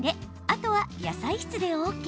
あとは野菜室でＯＫ。